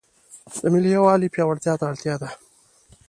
د ملي یووالي پیاوړتیا ته اړتیا ده.